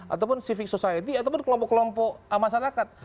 ataupun civic society ataupun kelompok kelompok masyarakat